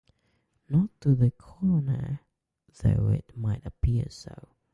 Not to the coroner, though it might appear so.